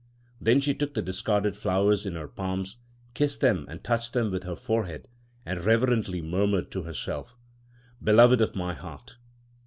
Then she took the discarded flowers in her palms, kissed them and touched them with her forehead, and reverently murmured to herself, "Beloved of my heart."